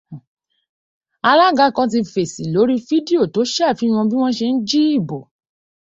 Alága kan ti fèsì lórí fídíò tó ṣàfihàn bí wọ́n ṣe ń jí ìbò